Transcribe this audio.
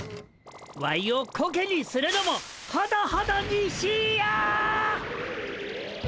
ワイをコケにするのもほどほどにしいや！